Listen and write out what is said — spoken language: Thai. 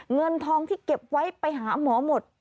เงินทองที่เก็บไว้ไปหาหมอหมด